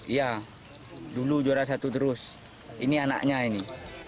iya dulu juara satu terus ini anaknya ini